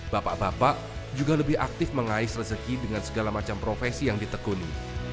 bapak bapak juga lebih aktif mengais rezeki dengan segala macam profesi yang ditekuni